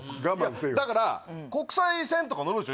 いやだから国際線とか乗るでしょ